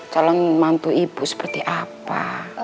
calon mantu ibu seperti apa